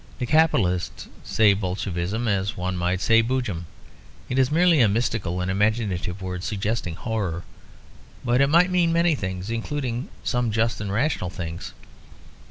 The Capitalists say Bolshevism as one might say Boojum. It is merely a mystical and imaginative word suggesting horror. But it might mean many things; including some just and rational things.